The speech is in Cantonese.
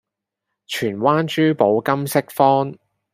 荃灣珠寶金飾坊